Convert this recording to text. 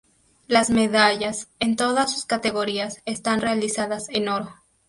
Las medallas, en todas sus categorías, están realizadas en oro.